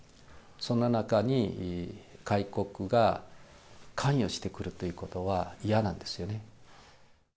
そんな中に、外国が関与してくるということは嫌なんですよね。